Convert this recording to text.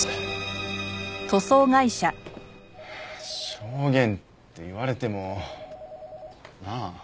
証言って言われてもなあ？